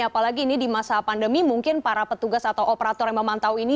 apalagi ini di masa pandemi mungkin para petugas atau operator yang memantau ini